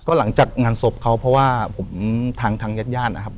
หลังจากงานศพเขาเพราะว่าผมทางญาติญาตินะครับ